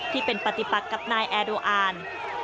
ที่เป็นปฏิปักกับนายแอร์โดอาน